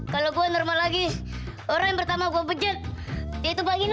kalau gue normal lagi orang yang pertama gue bejek dia itu pak gino